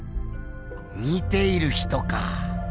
見ている人か。